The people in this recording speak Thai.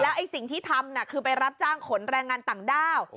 ไอ้สิ่งที่ทำคือไปรับจ้างขนแรงงานต่างด้าว